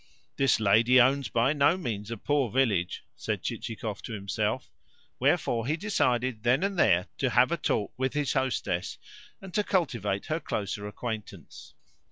"This lady owns by no means a poor village," said Chichikov to himself; wherefore he decided then and there to have a talk with his hostess, and to cultivate her closer acquaintance.